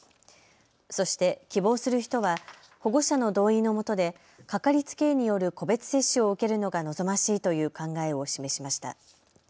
そして希望する人は保護者の同意のもとで掛かりつけ医による個別接種を受けるのが望ましいという考えを示しました。